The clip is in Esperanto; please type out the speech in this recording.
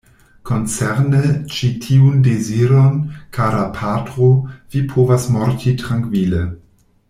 Koncerne ĉi tiun deziron, kara patro, vi povas morti trankvile.